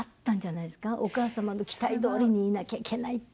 お母様の期待どおりにいなきゃいけないって。